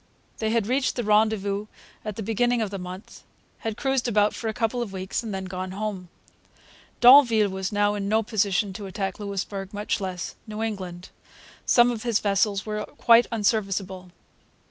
They had reached the rendezvous at the beginning of the month, had cruised about for a couple of weeks, and had then gone home. D'Anville was now in no position to attack Louisbourg, much less New England. Some of his vessels were quite unserviceable.